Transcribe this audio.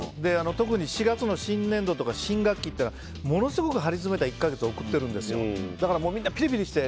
特に４月の新年度とか新学期っていうのはものすごく張りつめた１か月を送っているのでみんなピリピリして。